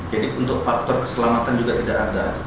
jadi untuk faktor keselamatan juga tidak ada